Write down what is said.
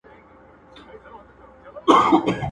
په ګاونډ کي پاچاهان او دربارونه،